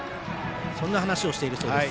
そんな話をしているそうです。